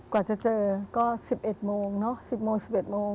กว่าจะเจอก็๑๑โมงเนอะ๑๐โมง๑๑โมง